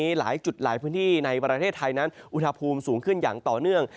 หลายจุดหลายพื้นที่ในประเทศไทยนั้นอุณหภูมิสูงขึ้นอย่างต่อเนื่อง